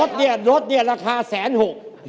๒๓แสนรถนี่ราคา๑๖๐๐๐๐๐บาท